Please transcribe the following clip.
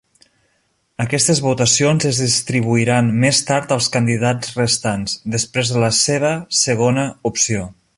Aquestes votacions es distribuiran més tard als candidats restants, després de la seva segona opció.